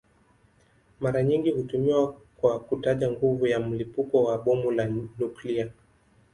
Mara nyingi hutumiwa kwa kutaja nguvu ya mlipuko wa bomu la nyuklia.